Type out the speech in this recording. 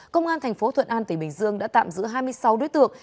công an tp thuận an tỉnh bình dương đã tạm giữ hai mươi sáu đối tượng